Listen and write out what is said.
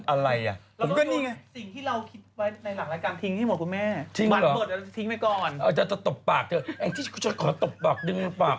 อะไรน่ะผมก็นี่ไง